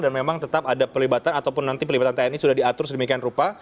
dan memang tetap ada pelibatan ataupun nanti pelibatan tni sudah diatur sedemikian rupa